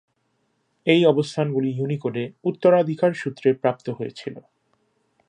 এই অবস্থানগুলি ইউনিকোডে উত্তরাধিকারসূত্রে প্রাপ্ত হয়েছিল।